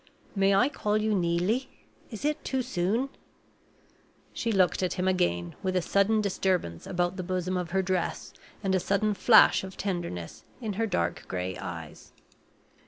"May I call you Neelie? Is it too soon?" She looked at him again, with a sudden disturbance about the bosom of her dress, and a sudden flash of tenderness in her dark gray eyes.